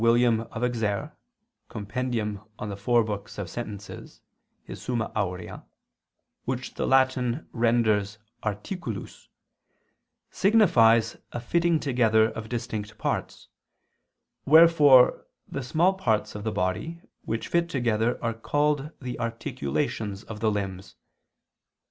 William of Auxerre, Summa Aurea] which the Latin renders "articulus," signifies a fitting together of distinct parts: wherefore the small parts of the body which fit together are called the articulations of the limbs.